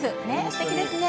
すてきですね。